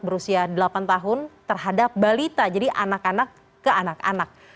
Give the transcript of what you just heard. berusia delapan tahun terhadap balita jadi anak anak ke anak anak